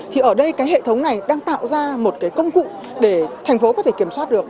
thì ở đây cái hệ thống này đang tạo ra một cái công cụ để thành phố có thể kiểm soát được